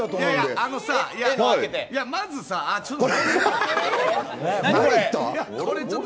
あのさ、まずさ、ちょっと。